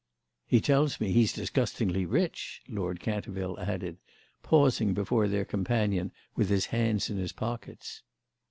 "He tells me he's disgustingly rich," Lord Canterville added, pausing before their companion with his hands in his pockets.